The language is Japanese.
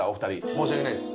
申し訳ないです。